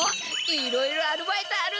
いろいろアルバイトあるんで！